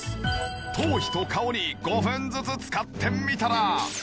頭皮と顔に５分ずつ使ってみたら。